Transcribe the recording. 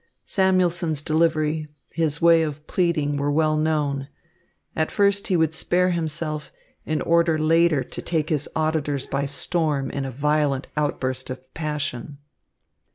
Samuelson's delivery, his way of pleading were well known. At first he would spare himself, in order later to take his auditors by storm in a violent outburst of passion.